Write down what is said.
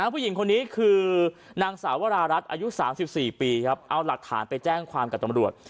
ผู้หญิงคนนี้คือนางสาววรารัฐอายุ๓๔ปีครับเอาหลักฐานไปแจ้งความกับตำรวจ